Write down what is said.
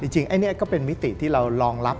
จริงอันนี้ก็เป็นมิติที่เรารองรับ